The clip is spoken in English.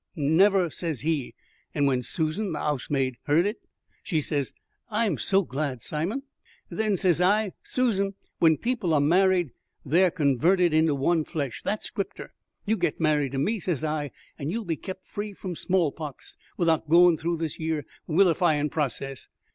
'Never,' says he; and when Susan the 'ousemaid heard on it, she says, 'I am so glad, Simon.' Then, says I, 'Susan, when people are married they're converted into one flesh. That's scripter. You get married to me,' says I, 'and you'll be kept free from small pox, without goin' threw this yer willifyin' process.'